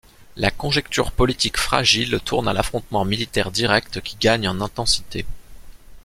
La conjecture politique fragile tourne à l’affrontement militaire direct qui gagne en intensité.